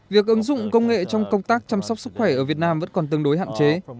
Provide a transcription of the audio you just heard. việc ứng dụng công nghệ trong công tác chăm sóc sức khỏe ở việt nam vẫn còn tương đối hạn chế